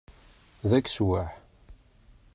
D akeswaḥ!